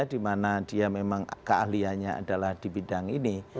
dimana dia memang keahliannya adalah di bidang ini